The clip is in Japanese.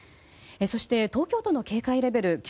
そして東京都の警戒レベル